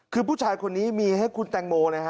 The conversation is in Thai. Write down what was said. คือผู้ชายคนนี้มีให้คุณแตงโมเลยฮ